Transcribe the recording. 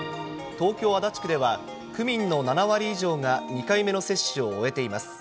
東京・足立区では、区民の７割以上が２回目の接種を終えています。